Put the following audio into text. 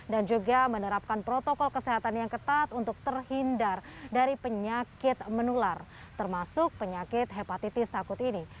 dan juga menerapkan protokol kesehatan yang ketat untuk terhindar dari penyakit menular termasuk penyakit hepatitis akut ini